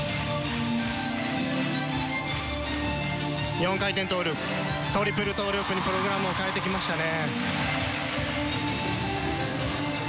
４回転トーループトリプルトーループにプログラムを変えてきましたね。